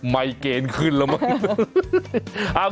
ไมเกณฑ์ขึ้นแล้วมั้ง